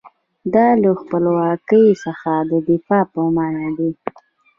دا له خپلواکۍ څخه د دفاع په معنی دی.